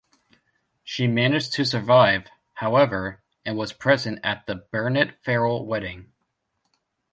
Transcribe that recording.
She managed to survive, however, and was present at the Bernett-Farrell wedding.